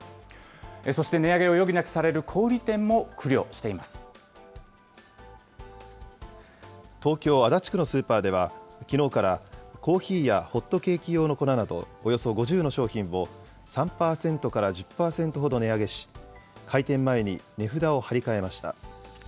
そして値上げを余儀なくされる小東京・足立区のスーパーでは、きのうからコーヒーやホットケーキ用の粉など、およそ５０の商品を３％から１０％ほど値上げし、開店前に値札を貼り替えました。